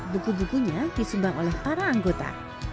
buku bukunya disumbang oleh para anggota